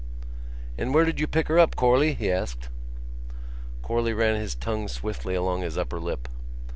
"And where did you pick her up, Corley?" he asked. Corley ran his tongue swiftly along his upper lip.